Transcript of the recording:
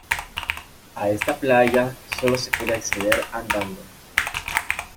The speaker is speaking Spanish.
A esta playa solo se puede acceder andando.